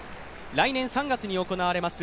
来年３月に行われます